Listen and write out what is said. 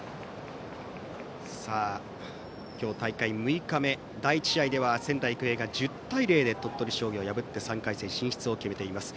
今日、大会６日目第１試合では仙台育英が１０対０で鳥取商業を破って３回戦進出を決めています。